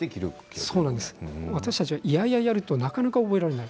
私たちは、いやいややるとなかなか覚えられない。